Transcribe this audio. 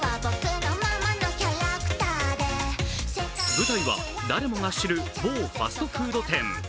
舞台は誰もが知る某ファストフード店。